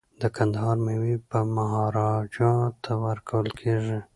د کندهار میوې به مهاراجا ته ورکول کیږي.